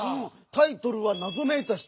タイトルは「謎めいた人」。